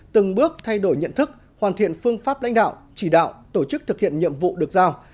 từng bước thay đổi nhận thức hoàn thiện phương pháp lãnh đạo chỉ đạo tổ chức thực hiện nhiệm vụ được giao